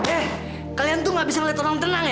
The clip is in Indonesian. eh kalian tuh gak bisa ngeliat orang tenang ya